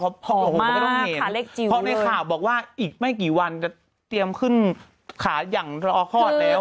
เขาบอกว่าไม่ต้องเห็นเพราะในข่าวบอกว่าอีกไม่กี่วันจะเตรียมขึ้นขาอย่างรอคลอดแล้ว